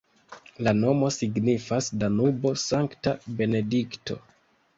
La nomo signifas Danubo-Sankta Benedikto.